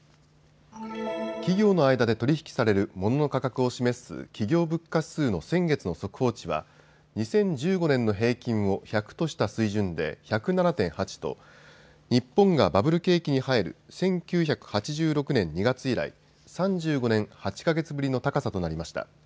企業の間で取り引きされるモノの価格を示す企業物価指数の先月の速報値は２０１５年の平均を１００とした水準で１０７．８と日本がバブル景気に入る１９８６年２月以来、３５年８か月ぶりの高さとなりました。